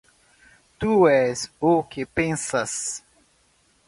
Tu és o que pensas!